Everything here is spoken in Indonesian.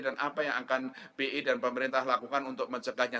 dan apa yang akan bi dan pemerintah lakukan untuk mencegahnya